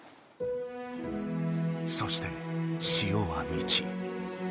そして潮はみち。